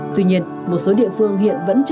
tuy nhiên một số địa phương hiện vẫn chứng minh